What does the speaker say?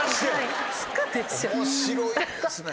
面白いですね。